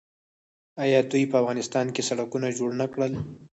آیا دوی په افغانستان کې سړکونه جوړ نه کړل؟